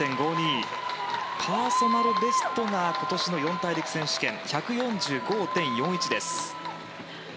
パーソナルベストが今年の四大陸選手権の１４５．４１です。